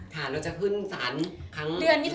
แล้วจะพึ่งสายสารทางไหน